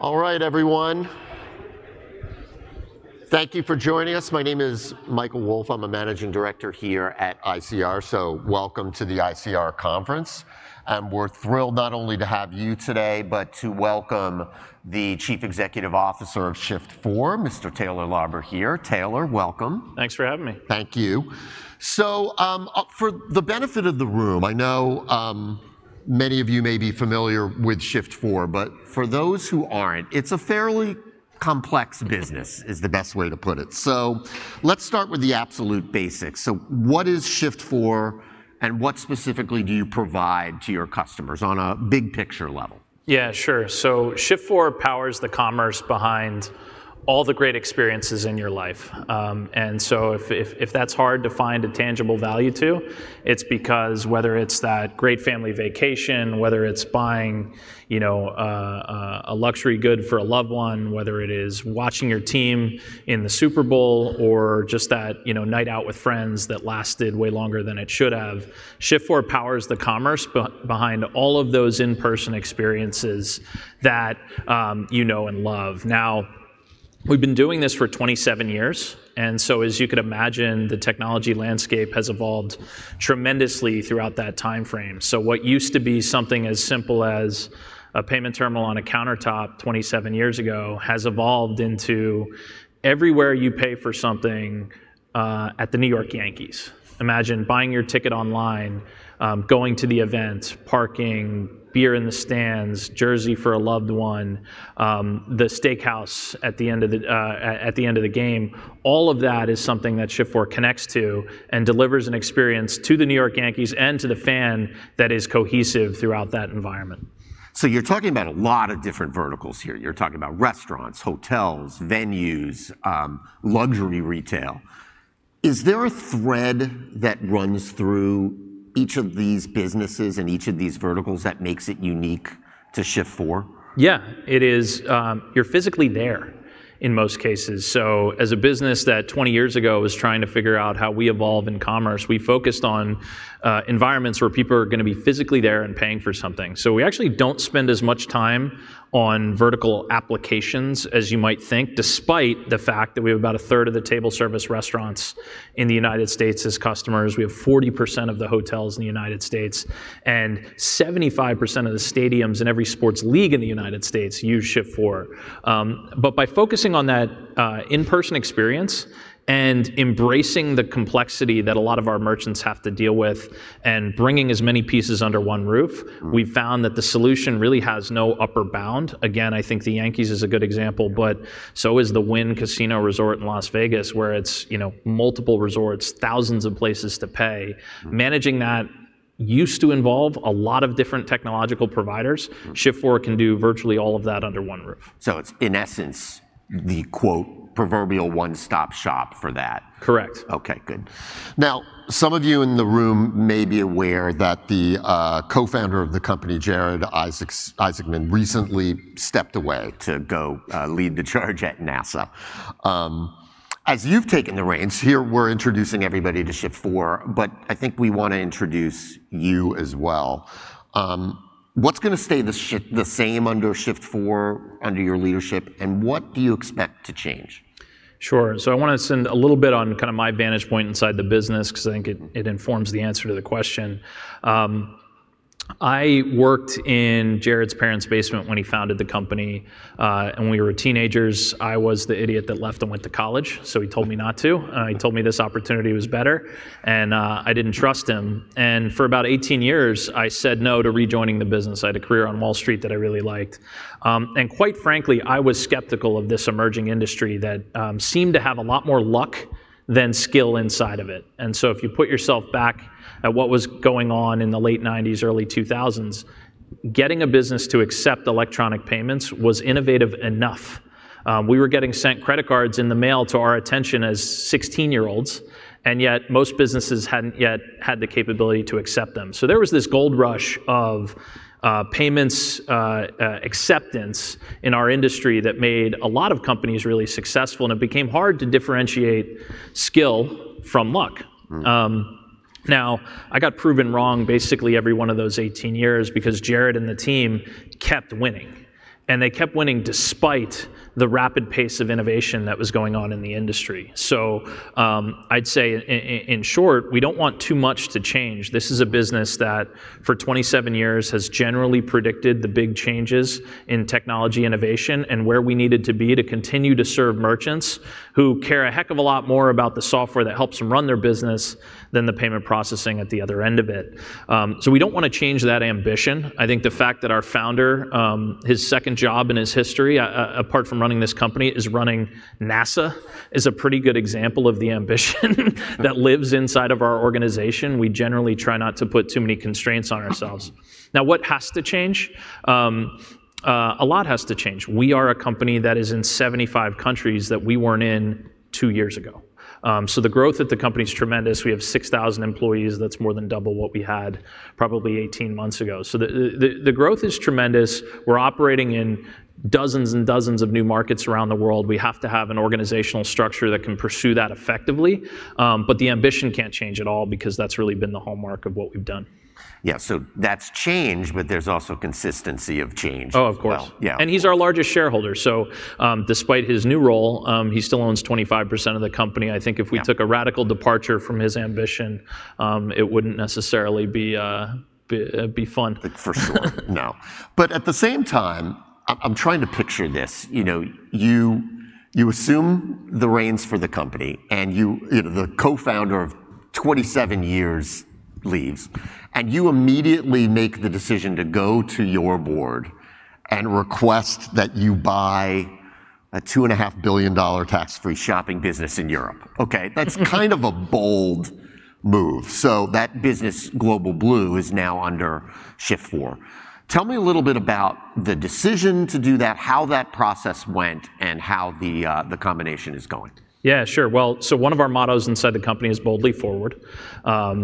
All right, everyone. Thank you for joining us. My name is Michael Wolfe. I'm a Managing Director here at ICR, so welcome to the ICR conference. And we're thrilled not only to have you today, but to welcome the Chief Executive Officer of Shift4, Mr. Taylor Lauber here. Taylor, welcome. Thanks for having me. Thank you. So for the benefit of the room, I know many of you may be familiar with Shift4, but for those who aren't, it's a fairly complex business, is the best way to put it. So let's start with the absolute basics. So what is Shift4, and what specifically do you provide to your customers on a big picture level? Yeah, sure. So Shift4 powers the commerce behind all the great experiences in your life. And so if that's hard to find a tangible value to, it's because whether it's that great family vacation, whether it's buying a luxury good for a loved one, whether it is watching your team in the Super Bowl, or just that night out with friends that lasted way longer than it should have, Shift4 powers the commerce behind all of those in-person experiences that you know and love. Now, we've been doing this for 27 years. And so, as you could imagine, the technology landscape has evolved tremendously throughout that time frame. So what used to be something as simple as a payment terminal on a countertop 27 years ago has evolved into everywhere you pay for something at the New York Yankees. Imagine buying your ticket online, going to the event, parking, beer in the stands, jersey for a loved one, the steakhouse at the end of the game. All of that is something that Shift4 connects to and delivers an experience to the New York Yankees and to the fan that is cohesive throughout that environment. So you're talking about a lot of different verticals here. You're talking about restaurants, hotels, venues, luxury retail. Is there a thread that runs through each of these businesses and each of these verticals that makes it unique to Shift4? Yeah, it is. You're physically there in most cases. So as a business that 20 years ago was trying to figure out how we evolve in commerce, we focused on environments where people are going to be physically there and paying for something. So we actually don't spend as much time on vertical applications as you might think, despite the fact that we have about a third of the table service restaurants in the United States as customers. We have 40% of the hotels in the United States and 75% of the stadiums in every sports league in the United States use Shift4. But by focusing on that in-person experience and embracing the complexity that a lot of our merchants have to deal with and bringing as many pieces under one roof, we've found that the solution really has no upper bound. Again, I think the Yankees is a good example, but so is the Wynn Casino Resort in Las Vegas, where it's multiple resorts, thousands of places to pay. Managing that used to involve a lot of different technological providers. Shift4 can do virtually all of that under one roof. So it's, in essence, the "proverbial one-stop shop" for that. Correct. OK, good. Now, some of you in the room may be aware that the co-founder of the company, Jared Isaacman, recently stepped away to go lead the charge at NASA. As you've taken the reins, here we're introducing everybody to Shift4, but I think we want to introduce you as well. What's going to stay the same under Shift4, under your leadership, and what do you expect to change? Sure. So I want to spend a little bit on kind of my vantage point inside the business, because I think it informs the answer to the question. I worked in Jared's parents' basement when he founded the company, and when we were teenagers, I was the idiot that left and went to college, so he told me not to. He told me this opportunity was better, and I didn't trust him, and for about 18 years, I said no to rejoining the business. I had a career on Wall Street that I really liked, and quite frankly, I was skeptical of this emerging industry that seemed to have a lot more luck than skill inside of it, and so if you put yourself back at what was going on in the late 1990s, early 2000s, getting a business to accept electronic payments was innovative enough. We were getting sent credit cards in the mail to our attention as 16-year-olds, and yet most businesses hadn't yet had the capability to accept them. So there was this gold rush of payments acceptance in our industry that made a lot of companies really successful. And it became hard to differentiate skill from luck. Now, I got proven wrong basically every one of those 18 years, because Jared and the team kept winning. And they kept winning despite the rapid pace of innovation that was going on in the industry. So I'd say, in short, we don't want too much to change. This is a business that for 27 years has generally predicted the big changes in technology innovation and where we needed to be to continue to serve merchants who care a heck of a lot more about the software that helps them run their business than the payment processing at the other end of it. So we don't want to change that ambition. I think the fact that our founder, his second job in his history, apart from running this company, is running NASA, is a pretty good example of the ambition that lives inside of our organization. We generally try not to put too many constraints on ourselves. Now, what has to change? A lot has to change. We are a company that is in 75 countries that we weren't in two years ago. So the growth at the company is tremendous. We have 6,000 employees. That's more than double what we had probably 18 months ago. So the growth is tremendous. We're operating in dozens and dozens of new markets around the world. We have to have an organizational structure that can pursue that effectively. But the ambition can't change at all, because that's really been the hallmark of what we've done. Yeah, so that's change, but there's also consistency of change. Oh, of course. Yeah. He's our largest shareholder. Despite his new role, he still owns 25% of the company. I think if we took a radical departure from his ambition, it wouldn't necessarily be fun. For sure, no, but at the same time, I'm trying to picture this. You assume the reins for the company, and the co-founder of 27 years leaves, and you immediately make the decision to go to your board and request that you buy a $2.5 billion tax-free shopping business in Europe. OK, that's kind of a bold move, so that business, Global Blue, is now under Shift4. Tell me a little bit about the decision to do that, how that process went, and how the combination is going. Yeah, sure. Well, so one of our mottos inside the company is boldly forward.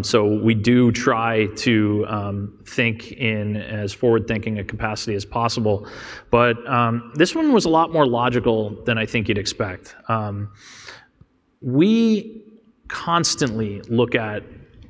So we do try to think in as forward-thinking a capacity as possible. But this one was a lot more logical than I think you'd expect. We constantly look at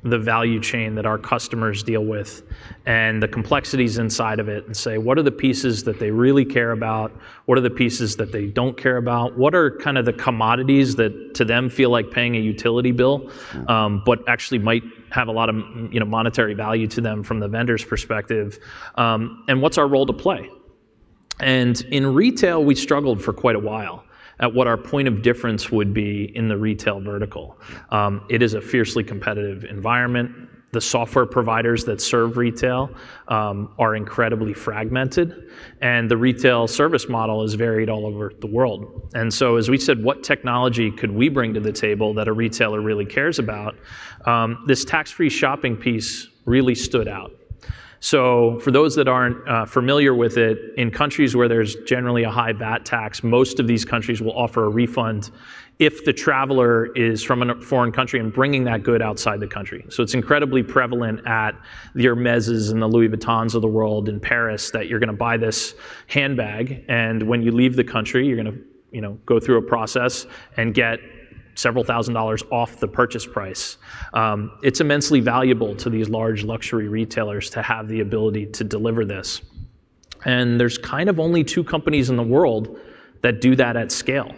the value chain that our customers deal with and the complexities inside of it and say, what are the pieces that they really care about? What are the pieces that they don't care about? What are kind of the commodities that to them feel like paying a utility bill, but actually might have a lot of monetary value to them from the vendor's perspective? And what's our role to play? And in retail, we struggled for quite a while at what our point of difference would be in the retail vertical. It is a fiercely competitive environment. The software providers that serve retail are incredibly fragmented. The retail service model is varied all over the world. And so, as we said, what technology could we bring to the table that a retailer really cares about? This tax-free shopping piece really stood out. So, for those that aren't familiar with it, in countries where there's generally a high VAT tax, most of these countries will offer a refund if the traveler is from a foreign country and bringing that good outside the country. So, it's incredibly prevalent at the Hermèses and the Louis Vuittons of the world in Paris that you're going to buy this handbag. And when you leave the country, you're going to go through a process and get several thousand dollars off the purchase price. It's immensely valuable to these large luxury retailers to have the ability to deliver this. And there's kind of only two companies in the world that do that at scale,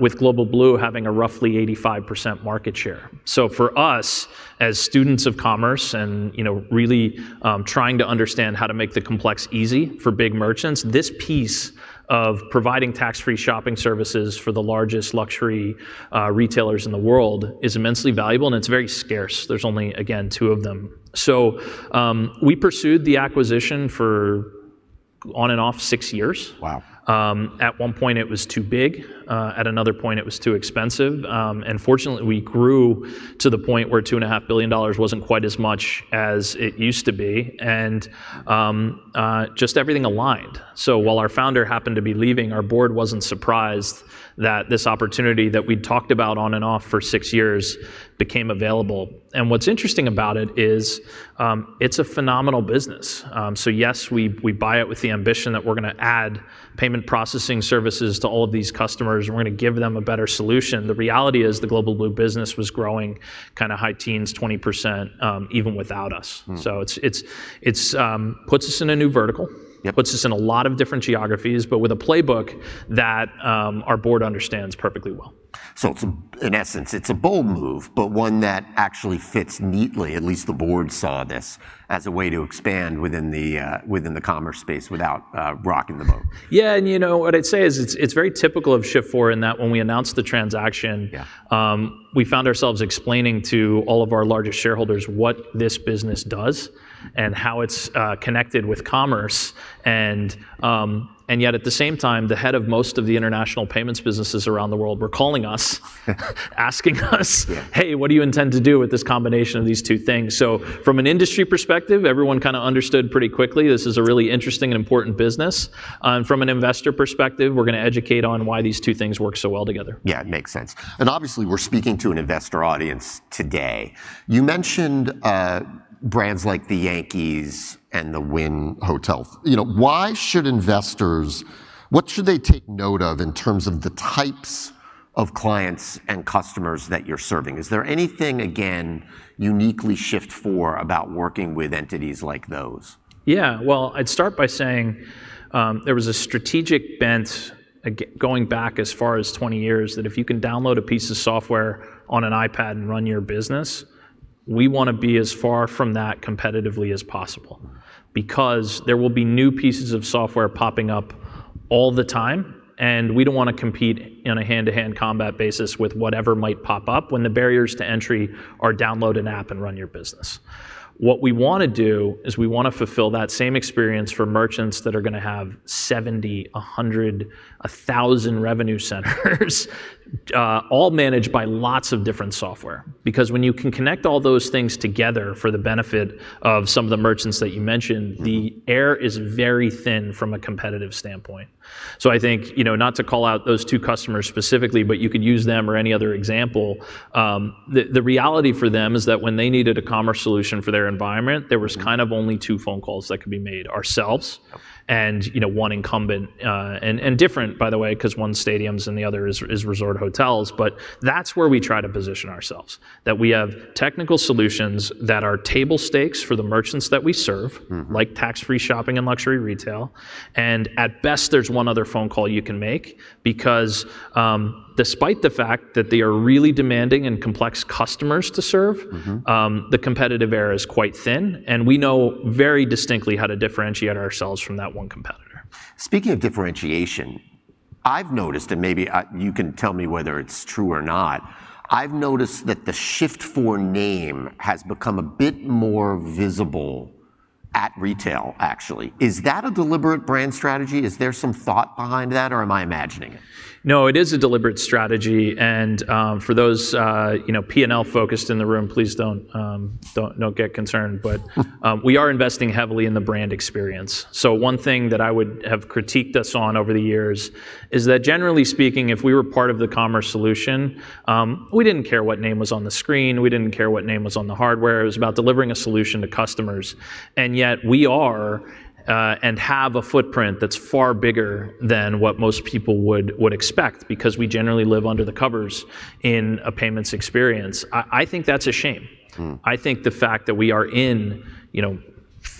with Global Blue having a roughly 85% market share. So for us, as students of commerce and really trying to understand how to make the complex easy for big merchants, this piece of providing tax-free shopping services for the largest luxury retailers in the world is immensely valuable. And it's very scarce. There's only, again, two of them. So we pursued the acquisition for on and off six years. Wow. At one point, it was too big. At another point, it was too expensive. And fortunately, we grew to the point where $2.5 billion wasn't quite as much as it used to be. And just everything aligned. So while our founder happened to be leaving, our board wasn't surprised that this opportunity that we'd talked about on and off for six years became available. And what's interesting about it is it's a phenomenal business. So yes, we buy it with the ambition that we're going to add payment processing services to all of these customers. We're going to give them a better solution. The reality is the Global Blue business was growing kind of high teens, 20%, even without us. So it puts us in a new vertical, puts us in a lot of different geographies, but with a playbook that our board understands perfectly well. In essence, it's a bold move, but one that actually fits neatly. At least the board saw this as a way to expand within the commerce space without rocking the boat. Yeah, and you know what I'd say is it's very typical of Shift4 in that when we announced the transaction, we found ourselves explaining to all of our largest shareholders what this business does and how it's connected with commerce. And yet at the same time, the head of most of the international payments businesses around the world were calling us, asking us, hey, what do you intend to do with this combination of these two things? So from an industry perspective, everyone kind of understood pretty quickly this is a really interesting and important business. And from an investor perspective, we're going to educate on why these two things work so well together. Yeah, it makes sense, and obviously, we're speaking to an investor audience today. You mentioned brands like the Yankees and the Wynn Hotel. Why should investors? What should they take note of in terms of the types of clients and customers that you're serving? Is there anything, again, uniquely Shift4 about working with entities like those? Yeah, well, I'd start by saying there was a strategic bent going back as far as 20 years that if you can download a piece of software on an iPad and run your business, we want to be as far from that competitively as possible. Because there will be new pieces of software popping up all the time, and we don't want to compete on a hand-to-hand combat basis with whatever might pop up when the barriers to entry are download an app and run your business. What we want to do is we want to fulfill that same experience for merchants that are going to have 70, 100, 1,000 revenue centers, all managed by lots of different software. Because when you can connect all those things together for the benefit of some of the merchants that you mentioned, the air is very thin from a competitive standpoint. So I think not to call out those two customers specifically, but you could use them or any other example. The reality for them is that when they needed a commerce solution for their environment, there was kind of only two phone calls that could be made: ourselves and one incumbent. And different, by the way, because one's stadiums and the other is resort hotels. But that's where we try to position ourselves, that we have technical solutions that are table stakes for the merchants that we serve, like tax-free shopping and luxury retail. And at best, there's one other phone call you can make. Because despite the fact that they are really demanding and complex customers to serve, the competitive air is quite thin. And we know very distinctly how to differentiate ourselves from that one competitor. Speaking of differentiation, I've noticed, and maybe you can tell me whether it's true or not, I've noticed that the Shift4 name has become a bit more visible at retail, actually. Is that a deliberate brand strategy? Is there some thought behind that, or am I imagining it? No, it is a deliberate strategy. And for those P&L-focused in the room, please don't get concerned. But we are investing heavily in the brand experience. So one thing that I would have critiqued us on over the years is that, generally speaking, if we were part of the commerce solution, we didn't care what name was on the screen. We didn't care what name was on the hardware. It was about delivering a solution to customers. And yet we are and have a footprint that's far bigger than what most people would expect, because we generally live under the covers in a payments experience. I think that's a shame. I think the fact that we are in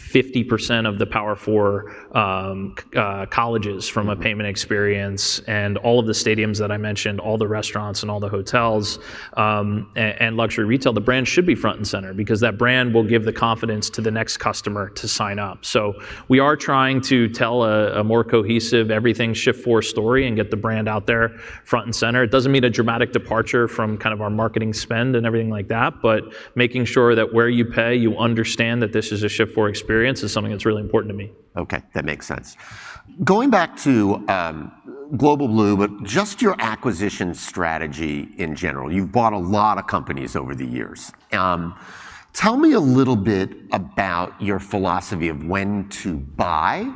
50% of the Power 4 colleges from a payment experience and all of the stadiums that I mentioned, all the restaurants and all the hotels and luxury retail, the brand should be front and center, because that brand will give the confidence to the next customer to sign up. So we are trying to tell a more cohesive everything Shift4 story and get the brand out there front and center. It doesn't mean a dramatic departure from kind of our marketing spend and everything like that, but making sure that where you pay, you understand that this is a Shift4 experience is something that's really important to me. OK, that makes sense. Going back to Global Blue, but just your acquisition strategy in general, you've bought a lot of companies over the years. Tell me a little bit about your philosophy of when to buy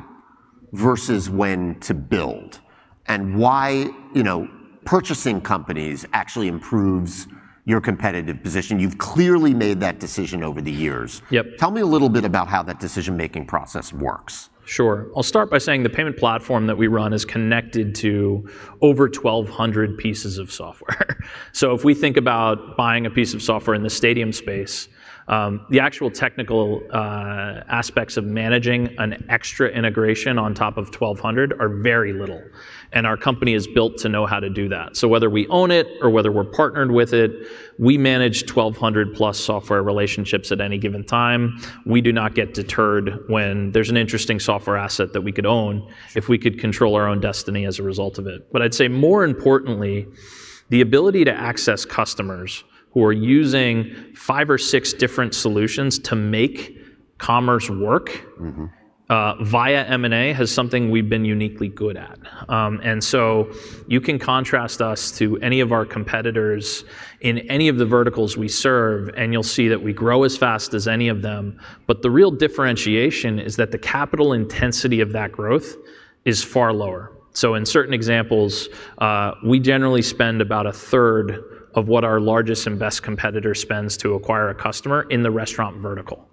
versus when to build and why purchasing companies actually improves your competitive position. You've clearly made that decision over the years. Yep. Tell me a little bit about how that decision-making process works? Sure. I'll start by saying the payment platform that we run is connected to over 1,200 pieces of software. So if we think about buying a piece of software in the stadium space, the actual technical aspects of managing an extra integration on top of 1,200 are very little. And our company is built to know how to do that. So whether we own it or whether we're partnered with it, we manage 1,200 plus software relationships at any given time. We do not get deterred when there's an interesting software asset that we could own if we could control our own destiny as a result of it. But I'd say more importantly, the ability to access customers who are using five or six different solutions to make commerce work via M&A has something we've been uniquely good at. And so you can contrast us to any of our competitors in any of the verticals we serve, and you'll see that we grow as fast as any of them. But the real differentiation is that the capital intensity of that growth is far lower. So in certain examples, we generally spend about a third of what our largest and best competitor spends to acquire a customer in the restaurant vertical.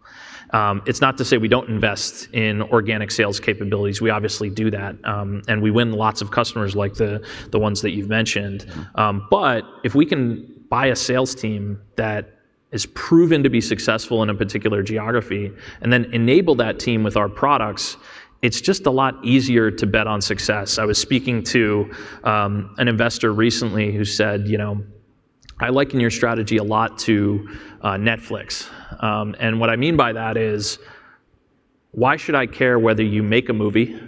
It's not to say we don't invest in organic sales capabilities. We obviously do that. And we win lots of customers like the ones that you've mentioned. But if we can buy a sales team that is proven to be successful in a particular geography and then enable that team with our products, it's just a lot easier to bet on success. I was speaking to an investor recently who said, "I liken your strategy a lot to Netflix. And what I mean by that is, why should I care whether you make a movie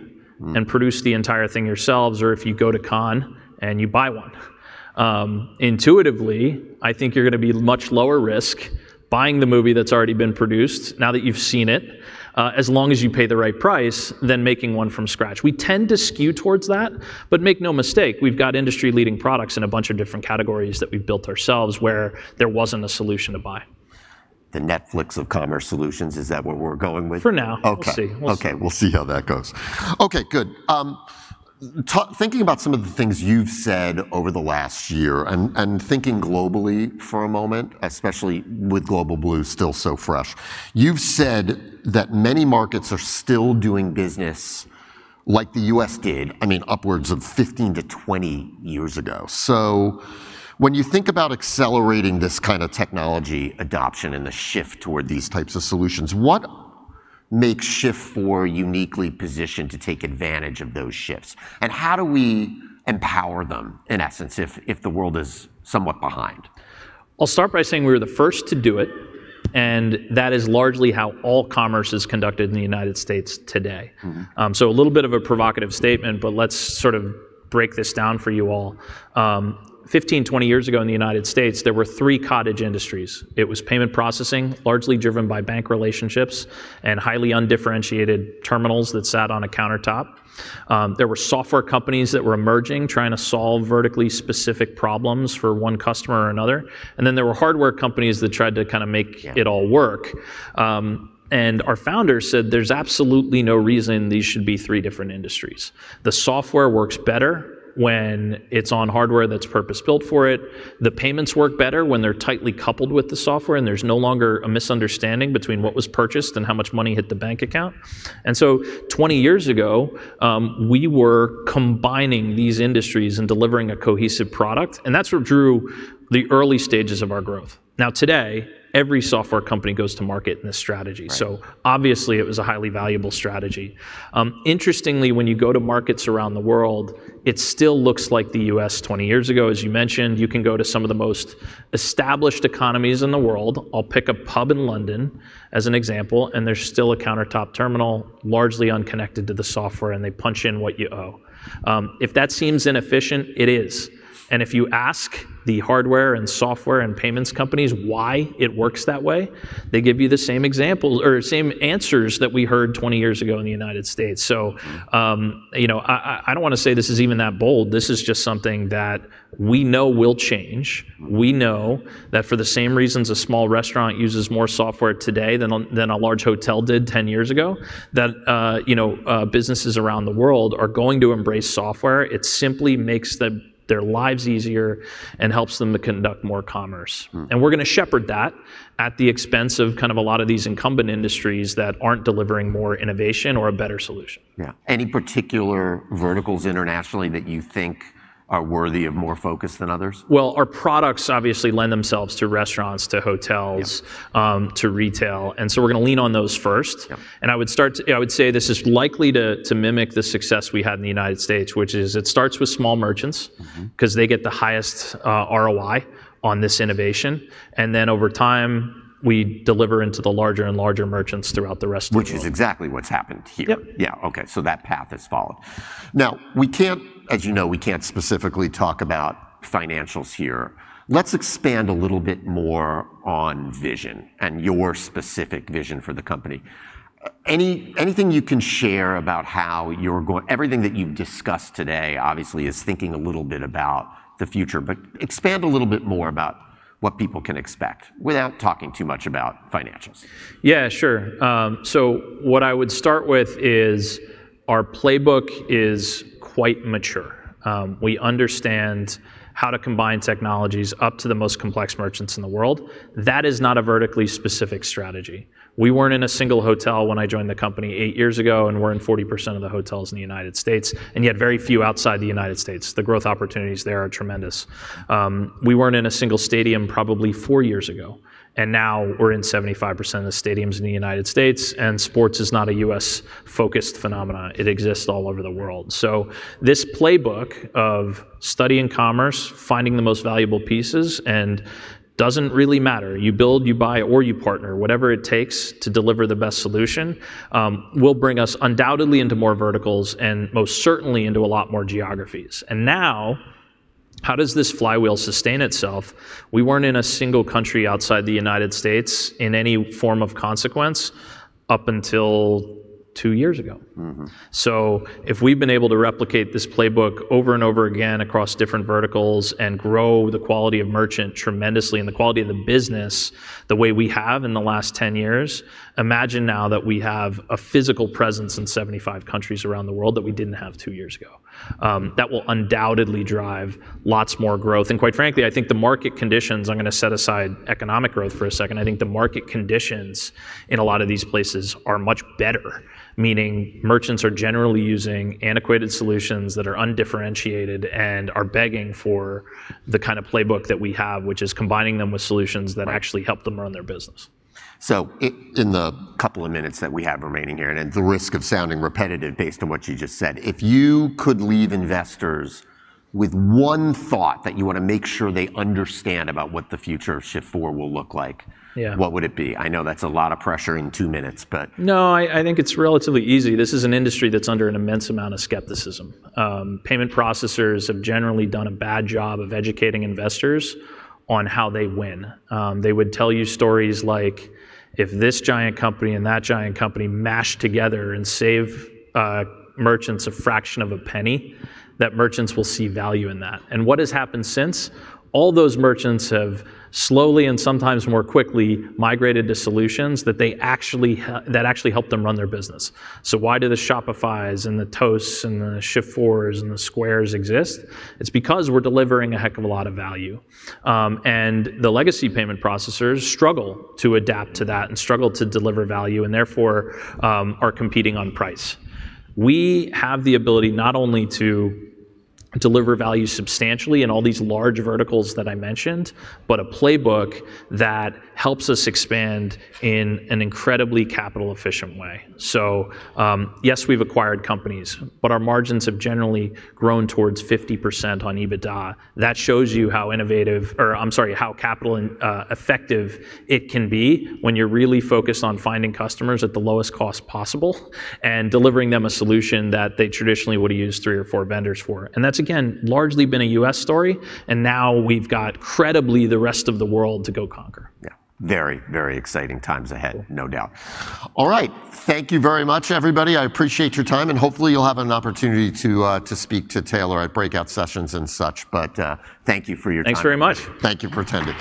and produce the entire thing yourselves or if you go to Cannes and you buy one? Intuitively, I think you're going to be much lower risk buying the movie that's already been produced now that you've seen it, as long as you pay the right price than making one from scratch. We tend to skew towards that. But make no mistake, we've got industry-leading products in a bunch of different categories that we've built ourselves where there wasn't a solution to buy. The Netflix of commerce solutions, is that what we're going with? For now. We'll see. OK, we'll see how that goes. OK, good. Thinking about some of the things you've said over the last year and thinking globally for a moment, especially with Global Blue still so fresh, you've said that many markets are still doing business like the U.S. did, I mean, upwards of 15-20 years ago. So when you think about accelerating this kind of technology adoption and the shift toward these types of solutions, what makes Shift4 uniquely positioned to take advantage of those shifts? And how do we empower them, in essence, if the world is somewhat behind? I'll start by saying we were the first to do it. And that is largely how all commerce is conducted in the United States today. So a little bit of a provocative statement, but let's sort of break this down for you all. 15-20 years ago in the United States, there were three cottage industries. It was payment processing, largely driven by bank relationships and highly undifferentiated terminals that sat on a countertop. There were software companies that were emerging, trying to solve vertically specific problems for one customer or another. And then there were hardware companies that tried to kind of make it all work. And our founder said there's absolutely no reason these should be three different industries. The software works better when it's on hardware that's purpose-built for it. The payments work better when they're tightly coupled with the software, and there's no longer a misunderstanding between what was purchased and how much money hit the bank account, and so 20 years ago, we were combining these industries and delivering a cohesive product, and that's what drew the early stages of our growth. Now today, every software company goes to market in this strategy, so obviously, it was a highly valuable strategy. Interestingly, when you go to markets around the world, it still looks like the U.S. 20 years ago, as you mentioned. You can go to some of the most established economies in the world. I'll pick a pub in London as an example, and there's still a countertop terminal, largely unconnected to the software, and they punch in what you owe. If that seems inefficient, it is. And if you ask the hardware and software and payments companies why it works that way, they give you the same example or same answers that we heard 20 years ago in the United States. So I don't want to say this is even that bold. This is just something that we know will change. We know that for the same reasons a small restaurant uses more software today than a large hotel did 10 years ago, that businesses around the world are going to embrace software. It simply makes their lives easier and helps them to conduct more commerce. And we're going to shepherd that at the expense of kind of a lot of these incumbent industries that aren't delivering more innovation or a better solution. Yeah. Any particular verticals internationally that you think are worthy of more focus than others? Our products obviously lend themselves to restaurants, to hotels, to retail. We're going to lean on those first. I would say this is likely to mimic the success we had in the United States, which is it starts with small merchants because they get the highest ROI on this innovation. Over time, we deliver into the larger and larger merchants throughout the rest of the world. Which is exactly what's happened here. Yep. Yeah, OK, so that path is followed. Now, as you know, we can't specifically talk about financials here. Let's expand a little bit more on vision and your specific vision for the company. Anything you can share about how you're going everything that you've discussed today, obviously, is thinking a little bit about the future. But expand a little bit more about what people can expect without talking too much about financials. Yeah, sure. So what I would start with is our playbook is quite mature. We understand how to combine technologies up to the most complex merchants in the world. That is not a vertically specific strategy. We weren't in a single hotel when I joined the company eight years ago, and we're in 40% of the hotels in the United States. And yet very few outside the United States. The growth opportunities there are tremendous. We weren't in a single stadium probably four years ago. And now we're in 75% of the stadiums in the United States. And sports is not a U.S.-focused phenomenon. It exists all over the world. This playbook of studying commerce, finding the most valuable pieces, and doesn't really matter you build, you buy, or you partner, whatever it takes to deliver the best solution will bring us undoubtedly into more verticals and most certainly into a lot more geographies. Now, how does this flywheel sustain itself? We weren't in a single country outside the United States in any form of consequence up until two years ago. If we've been able to replicate this playbook over and over again across different verticals and grow the quality of merchant tremendously and the quality of the business the way we have in the last 10 years, imagine now that we have a physical presence in 75 countries around the world that we didn't have two years ago. That will undoubtedly drive lots more growth. And quite frankly, I think the market conditions, I'm going to set aside economic growth for a second. I think the market conditions in a lot of these places are much better, meaning merchants are generally using antiquated solutions that are undifferentiated and are begging for the kind of playbook that we have, which is combining them with solutions that actually help them run their business. So in the couple of minutes that we have remaining here and the risk of sounding repetitive based on what you just said, if you could leave investors with one thought that you want to make sure they understand about what the future of Shift4 will look like, what would it be? I know that's a lot of pressure in two minutes, but. No, I think it's relatively easy. This is an industry that's under an immense amount of skepticism. Payment processors have generally done a bad job of educating investors on how they win. They would tell you stories like, if this giant company and that giant company mash together and save merchants a fraction of a penny, that merchants will see value in that. And what has happened since? All those merchants have slowly and sometimes more quickly migrated to solutions that actually help them run their business. So why do the Shopifys and the Toasts and the Shift4s and the Squares exist? It's because we're delivering a heck of a lot of value. And the legacy payment processors struggle to adapt to that and struggle to deliver value and therefore are competing on price. We have the ability not only to deliver value substantially in all these large verticals that I mentioned, but a playbook that helps us expand in an incredibly capital-efficient way. So yes, we've acquired companies, but our margins have generally grown towards 50% on EBITDA. That shows you how innovative or I'm sorry, how capital-effective it can be when you're really focused on finding customers at the lowest cost possible and delivering them a solution that they traditionally would have used three or four vendors for. And that's, again, largely been a U.S. story. And now we've got incredibly the rest of the world to go conquer. Yeah, very, very exciting times ahead, no doubt. All right, thank you very much, everybody. I appreciate your time, and hopefully, you'll have an opportunity to speak to Taylor at breakout sessions and such, but thank you for your time. Thanks very much. Thank you for attending.